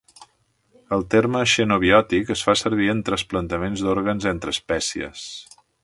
El terme xenobiòtic es fan servir en trasplantaments d’òrgans entre espècies.